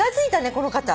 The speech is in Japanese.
この方。